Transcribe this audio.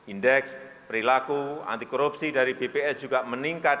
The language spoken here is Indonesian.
indeks perilaku anti korupsi dari bps juga meningkat